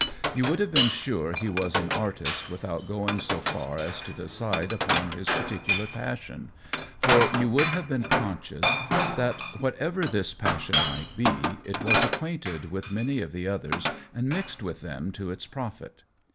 You would have been sure he was an artist without going so far as to decide 104 COLLABORATION upon his particular passion ; for you would have been conscious that whatever this pas sion might be, it was acquainted with many of the others and mixed with them to its profit.